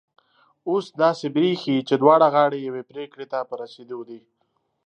اوس داسي برېښي چي دواړه غاړې یوې پرېکړي ته په رسېدو دي